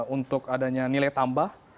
untuk adanya nilai tambah